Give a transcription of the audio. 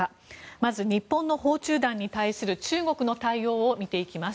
まず日本の訪中団に対する中国の対応を見ていきます。